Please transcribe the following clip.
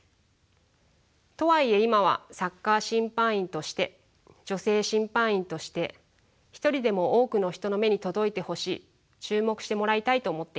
とはいえ今はサッカー審判員として女性審判員として一人でも多くの人の目に届いてほしい注目してもらいたいと思っています。